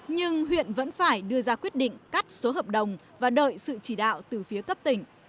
nhưng huyện vẫn phải đưa ra quyết định cắt số hợp đồng và đợi sự chỉ đạo từ phía cấp tỉnh